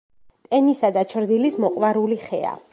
ტენისა და ჩრდილის მოყვარული ხეა.